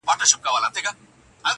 پرون مي غوښي د زړگي خوراك وې_